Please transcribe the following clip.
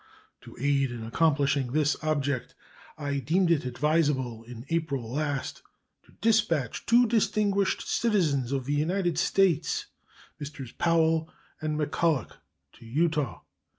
To aid in accomplishing this object, I deemed it advisable in April last to dispatch two distinguished citizens of the United States, Messrs. Powell and McCulloch, to Utah.